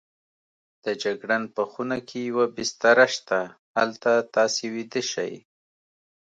د جګړن په خونه کې یوه بستره شته، هلته تاسې ویده شئ.